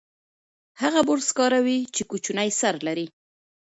هغه برس کاروي چې کوچنی سر لري.